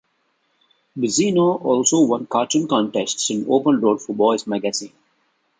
Busino also won cartoon contests in Open Road for Boys Magazine.